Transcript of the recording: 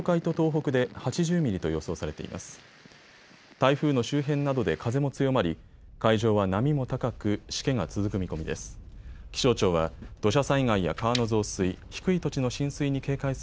台風の周辺などで風も強まり海上は波も高くしけが続く見込みです。